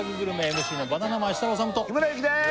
ＭＣのバナナマン設楽統と日村勇紀です